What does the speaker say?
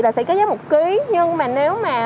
là sẽ có giá một ký nhưng mà nếu mà